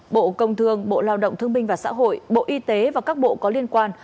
bộ công thương bộ lao động thương minh và xã hội bộ y tế và các bộ có liên quan